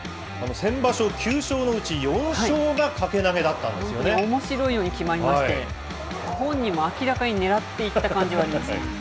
先場所、９勝のうち４勝が掛け投おもしろいように決まりまして、本人も明らかに狙っていった感じはありますね。